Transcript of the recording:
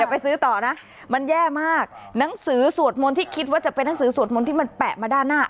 ไปซื้อต่อนะมันแย่มากหนังสือสวดมนต์ที่คิดว่าจะเป็นหนังสือสวดมนต์ที่มันแปะมาด้านหน้า